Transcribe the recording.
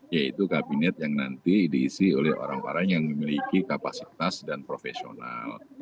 yaitu kabinet yang nanti diisi oleh orang orang yang memiliki kapasitas dan profesional